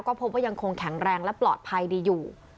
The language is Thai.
ก็พบว่ายังคงแข็งแรงและปลอดภัยดีอยู่